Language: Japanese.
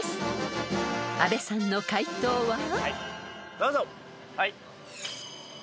どうぞ。